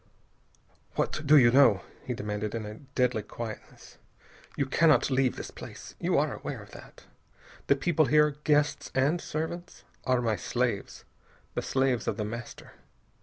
"What do you know?" he demanded in a deadly quietness. "You cannot leave this place. You are aware of that. The people here guests and servants are my slaves, the slaves of The Master.